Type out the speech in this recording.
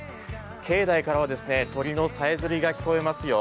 境内からは鳥のさえずりが聞こえますよ。